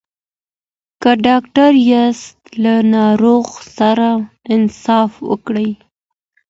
که ډاکټر یاست له ناروغ سره انصاف وکړئ.